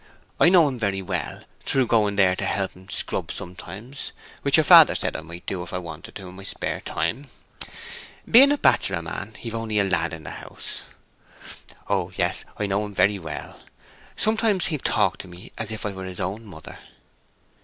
I know him very well, through going there to help 'em scrub sometimes, which your father said I might do, if I wanted to, in my spare time. Being a bachelor man, he've only a lad in the house. Oh yes, I know him very well. Sometimes he'll talk to me as if I were his own mother."